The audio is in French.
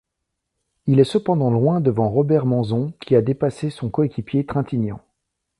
Il est cependant loin devant Robert Manzon qui a dépassé son coéquipier Trintignant.